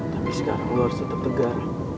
tapi sekarang lo harus tetep tegar